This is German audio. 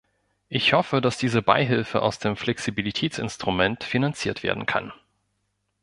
Ich hoffe, dass diese Beihilfe aus dem Flexibilitätsinstrument finanziert werden kann.